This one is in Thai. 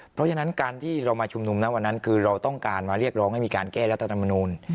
เพราะฉะนั้นการที่เรามาชุมนุมนะวันนั้นคือเราต้องการมาเรียกร้องให้มีการแก้รัฐธรรมนูล